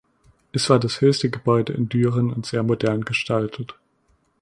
Es war das höchste Gebäude in Düren und sehr modern gestaltet.